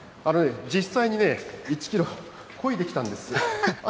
実際にね、１キロこいできたんです。